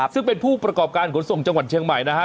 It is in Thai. ซึ่งเป็นผู้ประกอบการขนส่งจังหวัดเชียงใหม่นะฮะ